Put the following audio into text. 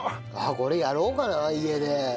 これやろうかな家で。